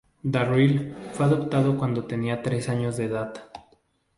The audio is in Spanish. Darryl fue adoptado cuando tenía tres años de edad.